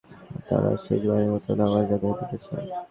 তারা শেষবারের মত নামায আদায় করতে চান।